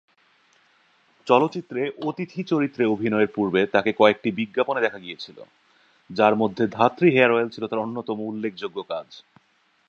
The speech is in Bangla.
চলচ্চিত্রে অতিথি চরিত্রে অভিনয়ের পূর্বে তাকে কয়েকটি বিজ্ঞাপনে দেখা গিয়েছিল, যার মধ্যে ধাত্রী হেয়ার অয়েল ছিল তার অন্যতম উল্লেখযোগ্য কাজ।